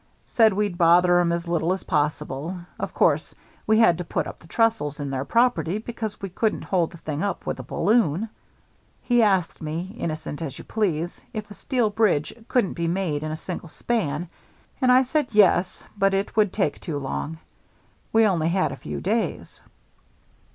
Said we'd bother 'em as little as possible; of course we had to put up the trestles in their property, because we couldn't hold the thing up with a balloon. "He asked me, innocent as you please, if a steel bridge couldn't be made in a single span, and I said, yes, but it would take too long. We only had a few days.